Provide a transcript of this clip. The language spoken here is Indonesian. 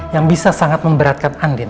yang bisa sangat memberatkan andin